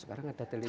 sekarang ada televisi